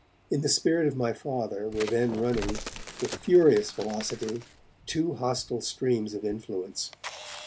In the spirit of my Father were then running, with furious velocity, two hostile streams of influence.